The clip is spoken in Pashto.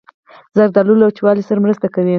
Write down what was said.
زردالو له وچوالي سره مرسته کوي.